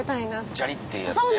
ジャリっていうやつね。